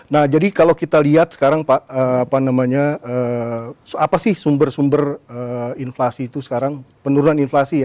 nah jadi kalau kita lihat sekarang pak apa namanya apa sih sumber sumber inflasi itu sekarang penurunan inflasi